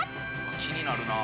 気になるな。